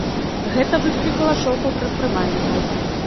Гэта выклікала шок у прадпрымальнікаў.